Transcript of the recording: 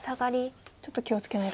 ちょっと気を付けないと。